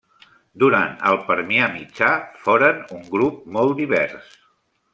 Durant el Permià mitjà foren un grup molt divers.